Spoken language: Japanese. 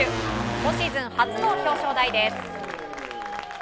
今シーズン初の表彰台です。